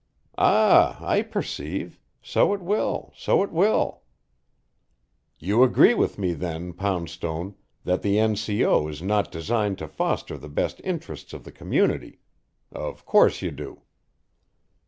"Ah, I perceive. So it will, so it will!" "You agree with me, then, Poundstone, that the N.C.O. is not designed to foster the best interests of the community. Of course you do."